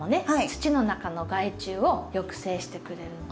土の中の害虫を抑制してくれるので。